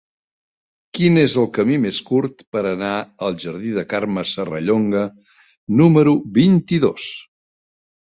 Quin és el camí més curt per anar al jardí de Carme Serrallonga número vint-i-dos?